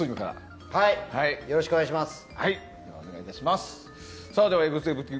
よろしくお願いします。